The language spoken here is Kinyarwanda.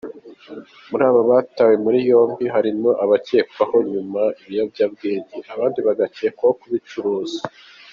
Muri aba batawe muri yombi harimo abakekwaho kunywa ibiyobyabwenge abandi bagakekwaho kubicuruza.